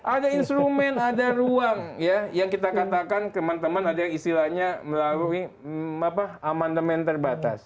ada instrumen ada ruang ya yang kita katakan teman teman ada yang istilahnya melalui amandemen terbatas